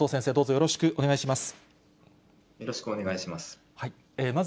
よろしくお願いします。